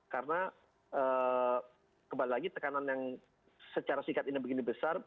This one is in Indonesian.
karena kembali lagi tekanan yang secara singkat ini begini besar